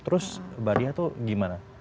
terus mbak diah tuh gimana